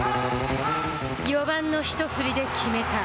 ４番の一振りで決めた。